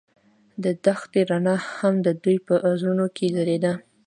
د دښته رڼا هم د دوی په زړونو کې ځلېده.